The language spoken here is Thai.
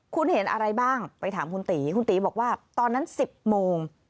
คุณเห็นอะไรบ้างไปถามคุณตีคุณตีบอกว่าตอนนั้น๑๐โมง